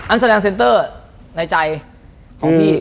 แสดงเซนเตอร์ในใจของพี่